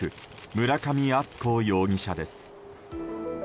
村上敦子容疑者です。